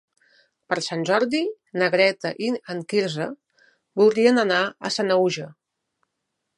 Per Sant Jordi na Greta i en Quirze voldrien anar a Sanaüja.